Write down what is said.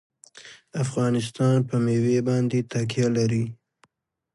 افغانستان په مېوې باندې تکیه لري.